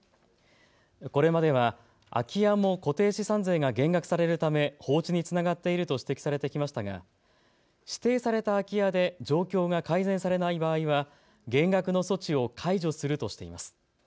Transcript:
これまでは空き家の固定資産税が減額されるため放置につながっていると指摘されてきましたが指定された空き家で状況が改善されない場合は減額の措置を解除するとしています。